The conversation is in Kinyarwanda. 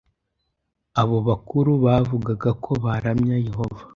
Abo bakuru bavugaga ko baramya Yehova